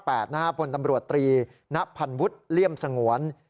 ผู้บัญชาการตำรวจตรีณพันวุฒิเลี่ยมสงวน